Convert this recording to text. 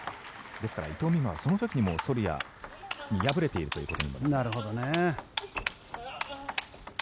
ですから伊藤美誠もその時にもソルヤに敗れているということになります。